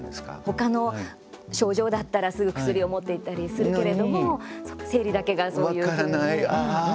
他の症状だったら、すぐ薬を持っていったりするけれども生理だけがそういうふうに。